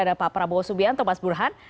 ada pak prabowo subianto mas burhan